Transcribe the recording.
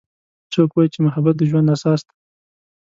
څوک وایي چې محبت د ژوند اساس ده